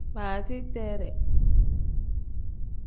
Baasiteree.